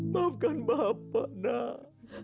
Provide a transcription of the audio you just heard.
maafkan bapak nak